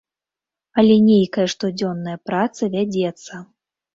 Але нейкая штодзённая праца вядзецца.